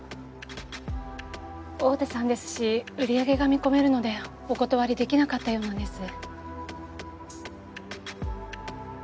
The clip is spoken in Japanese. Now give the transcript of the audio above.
大手さんですし売り上げが見込めるのでお断りできなかったようなんです。